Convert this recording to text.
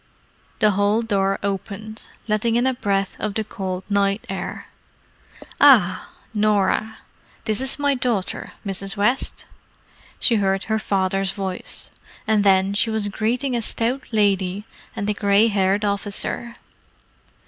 The hall door opened, letting in a breath of the cold night air. "Ah, Norah—this is my daughter, Mrs. West," she heard her father's voice; and then she was greeting a stout lady and a grey haired officer.